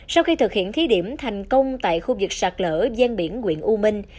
sau khi thực hiện thí điểm thành công tại khu vực sạt lở gian biển quyện u minh